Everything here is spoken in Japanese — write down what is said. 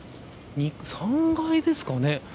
３階ですかね。